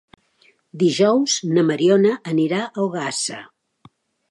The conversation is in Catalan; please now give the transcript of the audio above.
Dijous na Mariona anirà a Ogassa.